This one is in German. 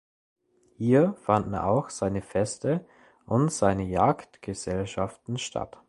Hier fanden auch seine Feste und seine Jagdgesellschaften statt.